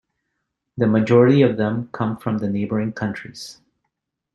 The majority of them come from the neighbouring countries.